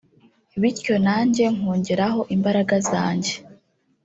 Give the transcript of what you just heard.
bityo nanjye nkongeraho imbaraga zanjye